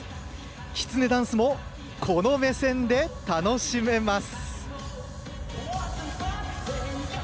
「きつねダンス」もこの目線で楽しめます。